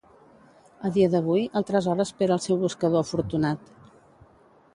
A dia d'avui, el tresor espera al seu buscador afortunat.